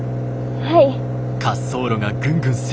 はい。